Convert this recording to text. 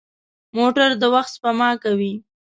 موټر د وخت سپما کوي.